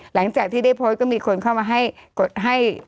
หลังจากที่ได้โพสต์ก็มีคนเข้ามาให้กดให้